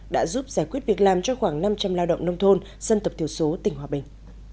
đã giúp giải quyết việc làm cho khoảng năm trăm linh lao động nông thôn dân tập thiểu số tỉnh hòa bình